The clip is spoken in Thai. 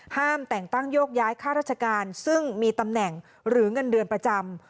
แต่งตั้งโยกย้ายค่าราชการซึ่งมีตำแหน่งหรือเงินเดือนประจำ